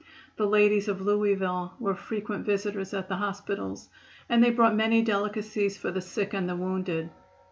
The ladies of Louisville were frequent visitors at the hospitals, and they brought many delicacies for the sick and the wounded.